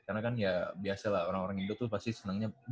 karena kan ya biasa lah orang orang indo tuh pasti senangnya bola